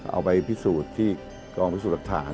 เอาไปพิสูจน์ที่กลองพิสูจน์รับตาร์